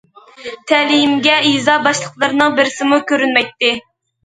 تەلىيىمگە يېزا باشلىقلىرىنىڭ بىرسىمۇ كۆرۈنمەيتتى.